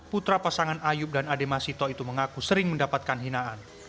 putra pasangan ayub dan adema sito itu mengaku sering mendapatkan hinaan